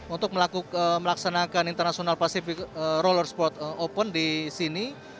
untuk melaksanakan internasional pasifik roller sport open di sini